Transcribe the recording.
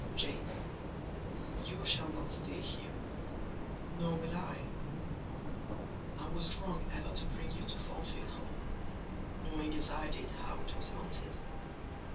Jane, you shall not stay here, nor will I. I was wrong ever to bring you to Thornfield Hall, knowing as I did how it was haunted.